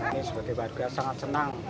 ini sebagai warga sangat senang